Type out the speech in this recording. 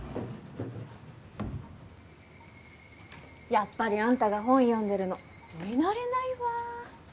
やっぱりあんたが本読んでるの見慣れないわ。